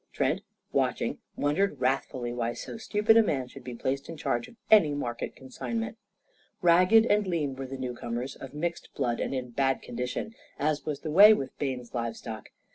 Trent, watching, wondered wrathfully why so stupid a man should be placed in charge of any market consignment. Ragged and lean were the newcomers, of mixed blood and in bad condition; as was the way with Bayne's livestock.